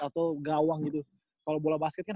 atau gawang gitu kalau bola basket kan